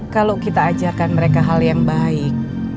kalau kita ajarkan mereka hal yang baik